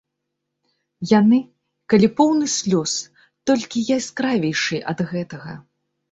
Яны, калі поўны слёз, толькі яскравейшыя ад гэтага.